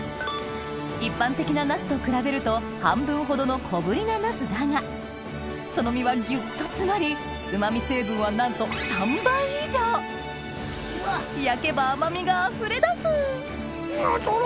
一般的なナスと比べると半分ほどの小ぶりなナスだがその実はぎゅっと詰まりうま味成分はなんと焼けば甘みがあふれ出す！